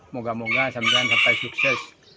moga moga sampai sukses